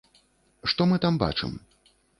Што мы там бачым?